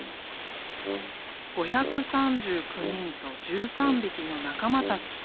５３９人と１３びきの仲間たち。